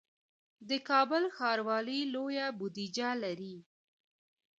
د کابل ښاروالي لویه بودیجه لري